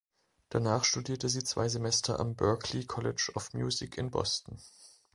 Danach studierte sie zwei Semester am Berklee College of Music in Boston.